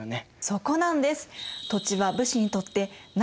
そこなんです！